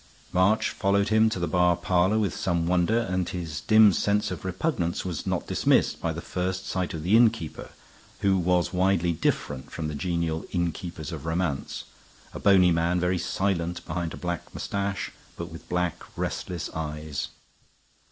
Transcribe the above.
March followed him to the bar parlor with some wonder, and his dim sense of repugnance was not dismissed by the first sight of the innkeeper, who was widely different from the genial innkeepers of romance, a bony man, very silent behind a black mustache, but with black, restless eyes.